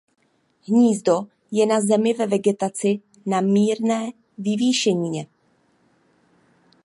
Hnízdo je na zemi ve vegetaci na mírné vyvýšenině.